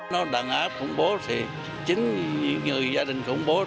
nó đàn áp khủng bố thì chính người gia đình khủng bố